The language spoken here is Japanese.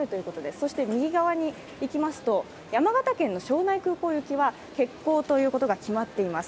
そして右側にいきますと、山形県の庄内空港行きは欠航ということが決まっています。